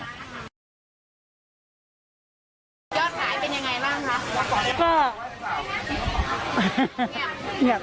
ยอดขายเป็นยังไงบ้างคะ